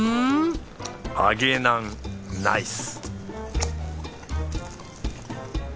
揚げナンナイス！